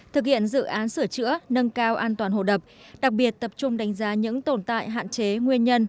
thực hiện dự án sửa chữa nâng cao an toàn hồ đập đặc biệt tập trung đánh giá những tồn tại hạn chế nguyên nhân